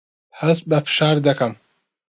هەست بە فشار دەکەم.